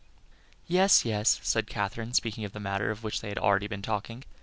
"Yes, yes," said Katherine, speaking of the matter of which they had already been talking.